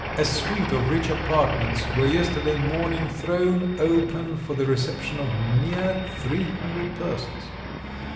A suite of rich apartments were yesterday morning thrown open for the reception of near 300 persons.